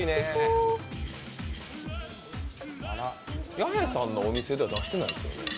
弥平さんのお店では出していないですよね？